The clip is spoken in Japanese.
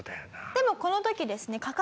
でもこの時ですね